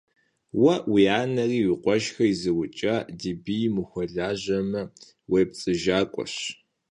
Уэ уи анэри уи къуэшхэри зыукӀа ди бийм ухуэлажьэмэ, уепцӀыжакӀуэщ!